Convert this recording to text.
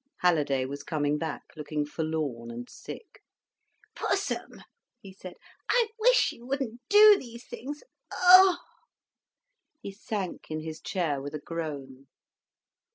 Halliday was coming back, looking forlorn and sick. "Pussum," he said, "I wish you wouldn't do these things—Oh!" He sank in his chair with a groan.